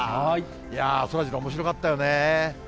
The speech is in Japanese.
いやー、そらジロー、おもしろかったよね。